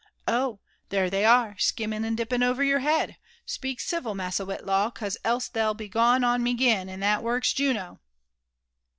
Oh! there they are, skimming and dipping over your head. Speak civil, Massa Whitlaw, 'cause else they'll b^ on me 'gen, and that works Juno."